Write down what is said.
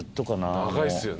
長いっすよね。